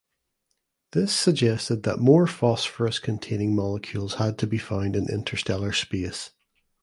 This suggested that more phosphorus containing molecules had to be found in interstellar space.